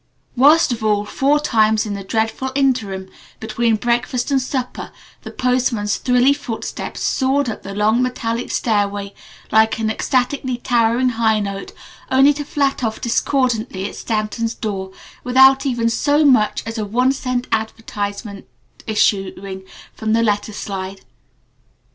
Worst of all, four times in the dreadful interim between breakfast and supper the postman's thrilly footsteps soared up the long metallic stairway like an ecstatically towering high note, only to flat off discordantly at Stanton's door without even so much as a one cent advertisement issuing from the letter slide.